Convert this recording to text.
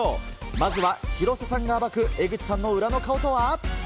まずは、広瀬さんが暴く江口さんの裏の顔とは。